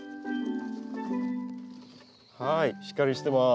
はいしっかりしてます。